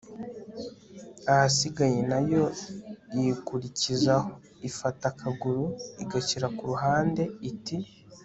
ahasigaye na yo yikurikizaho, ifata akaguru, igashyira ku ruhande iti